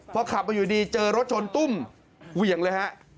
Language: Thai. เพราะขับมาอยู่ดีเจอรถชนตุ้มเวียงเลยครับ